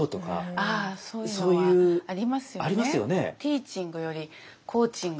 ああそういうのはありますよね。